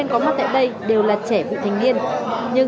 quán game chất